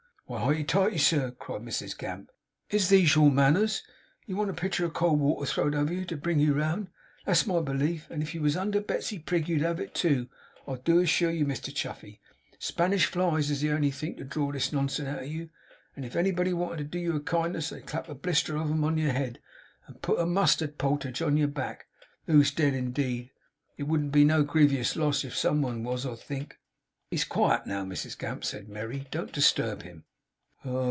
'Why, highty tighty, sir!' cried Mrs Gamp, 'is these your manners? You want a pitcher of cold water throw'd over you to bring you round; that's my belief, and if you was under Betsey Prig you'd have it, too, I do assure you, Mr Chuffey. Spanish Flies is the only thing to draw this nonsense out of you; and if anybody wanted to do you a kindness, they'd clap a blister of 'em on your head, and put a mustard poultige on your back. 'Who's dead, indeed! It wouldn't be no grievous loss if some one was, I think!' 'He's quiet now, Mrs Gamp,' said Merry. 'Don't disturb him.